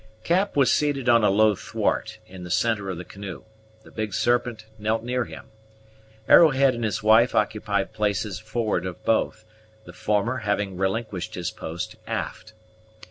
Cap was seated on a low thwart, in the centre of the canoe; the Big Serpent knelt near him. Arrowhead and his wife occupied places forward of both, the former having relinquished his post aft.